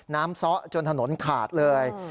ซ้อจนถนนขาดเลย